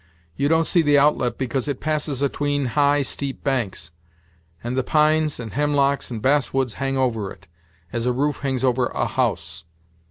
You don't see the outlet, because it passes atween high, steep banks; and the pines, and hemlocks and bass woods hang over it, as a roof hangs over a house.